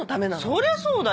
そりゃそうだよ！